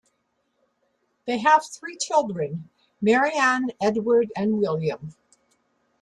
They have three children: Marianne, Edward and William.